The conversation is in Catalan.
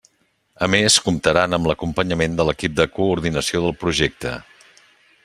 A més comptaran amb l'acompanyament de l'equip de coordinació del projecte.